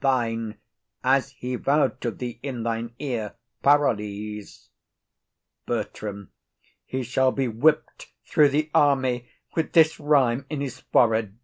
Thine, as he vow'd to thee in thine ear,_ PAROLLES. BERTRAM. He shall be whipped through the army with this rhyme in's forehead.